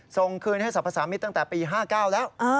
ส่งคืนให้สรรพสามิตรตั้งแต่ปี๕๙แล้ว